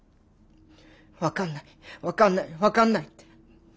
分かんない分かんない分かんないって。